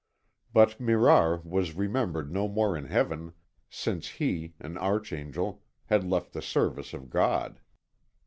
But Mirar was remembered no more in heaven since he, an Archangel, had left the service of God.